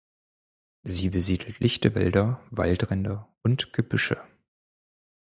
Sie besiedelt lichte Wälder, Waldränder und Gebüsche.